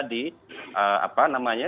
di apa namanya